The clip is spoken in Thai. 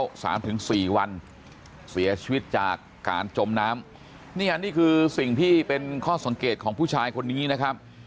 สามถึงสี่วันเสียชีวิตจากการจมน้ำนี่อันนี้คือสิ่งที่เป็นข้อสังเกตของผู้ชายคนนี้นะครับ